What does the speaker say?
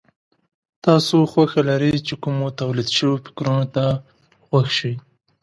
تاسې خوښه لرئ چې کومو توليد شوو فکرونو ته غوږ شئ.